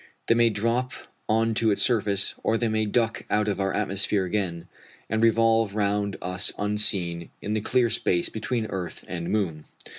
They may drop on to its surface, or they may duck out of our atmosphere again, and revolve round us unseen in the clear space between earth and moon.